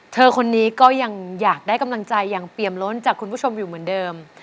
เธอคนนี้ก็ยังอยากได้กำลังใจอย่างเปรียมล้นจากคุณผู้ชมอยู่เหมือนเดิม